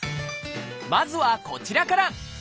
まずはこちらから！